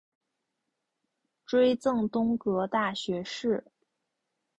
追赠东阁大学士。